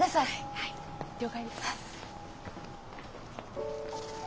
はい了解です。